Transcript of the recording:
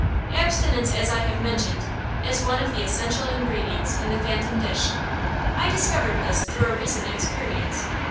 Abstinence, as I have mentioned, is one of the essential ingredients in the phantom dish. I discovered this through a recent experience.